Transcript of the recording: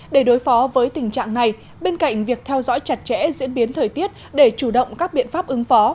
để đối phó với tình trạng này bên cạnh việc theo dõi chặt chẽ diễn biến thời tiết để chủ động các biện pháp ứng phó